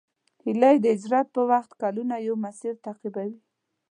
هیلۍ د هجرت په وخت کلونه یو مسیر تعقیبوي